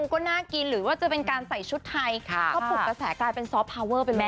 ก็เชื่อว่ามันก็คงแบบมีบุญสำคัญกันนะครับ